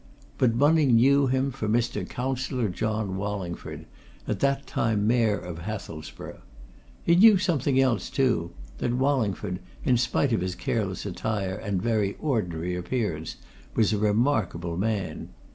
But Bunning knew him for Mr. Councillor John Wallingford, at that time Mayor of Hathelsborough. He knew something else too that Wallingford, in spite of his careless attire and very ordinary appearance, was a remarkable man.